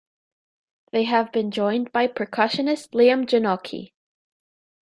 They have been joined by percussionist Liam Genockey.